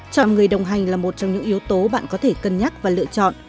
chọn người đồng hành là một trong những yếu tố bạn có thể cân nhắc và lựa chọn